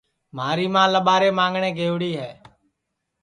مھاری ماں لٻارے مانگٹؔیں گئوڑی ہے